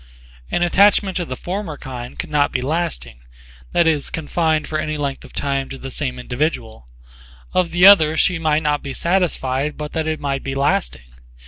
An attachment of the former kind could not be lasting, that is confined for any length of time to the same individual; of the other she might not be satisfied but that it might be lasting.